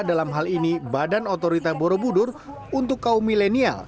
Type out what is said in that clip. dalam hal ini badan otorita borobudur untuk kaum milenial